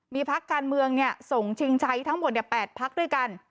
มีพักการเมืองเนี่ยส่งชิงใช้ทั้งหมดเนี่ยแปดพักด้วยกัน